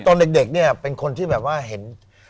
ตอนเด็กเนี่ยเป็นคนที่แบบว่าเห็น